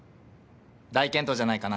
大健闘じゃないかな。